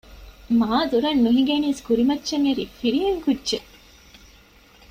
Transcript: މާ ދުރަށް ނުހިނގެނީސް ކުރިމައްޗަށް އެރީ ފިރިހެން ކުއްޖެއް